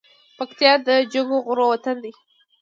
پکتیا د جګو غرو وطن ده .